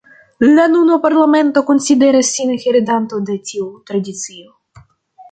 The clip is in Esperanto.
La nuna parlamento konsideras sin heredanto de tiu tradicio.